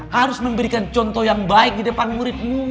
harus memberikan contoh yang baik di depan murid mu